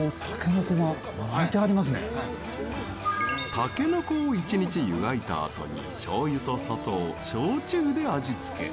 たけのこを１日ゆがいたあとにしょうゆと砂糖、焼酎で味付け。